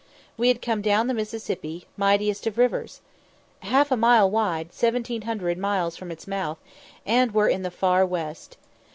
We had come down the Mississippi, mightiest of rivers! half a mile wide seventeen hundred miles from its mouth, and were in the far West.